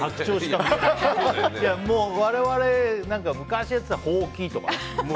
我々昔やってた、ほうきとか。